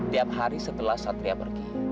tiap hari setelah satria pergi